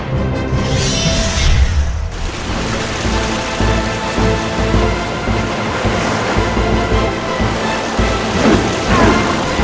kami tak akan mestikan